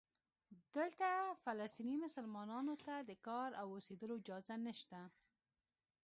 دلته فلسطینی مسلمانانو ته د کار او اوسېدلو اجازه نشته.